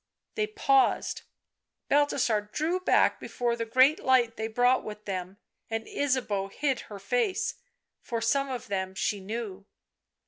They paused ; Balthasar drew back before the great light they brought with them, and Ysabeau hid her face, for some of them she knew.